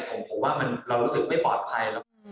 ผมว่าเรารู้สึกไม่ปลอดภัย